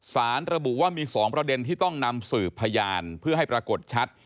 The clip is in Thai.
สารระบุว่ามี๒ประเด็นที่ต้องนำสืบพยานเพื่อให้ปรากฏชัด